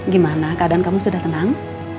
gimana keadaan kamu sudah tenang